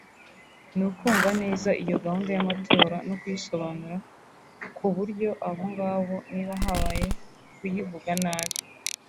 ni ukumva neza iyo gahunda y’amatora no kuyisobanura ku buryo abo ngabo niba habaye kuyivuga nabi